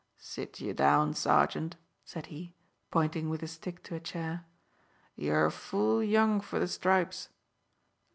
"Sit ye down, sergeant," said he, pointing with his stick to a chair. "You're full young for the stripes.